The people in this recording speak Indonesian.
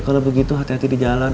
kalau begitu hati hati di jalan